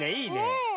うん。